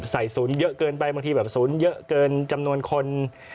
ศูนย์เยอะเกินไปบางทีแบบศูนย์เยอะเกินจำนวนคน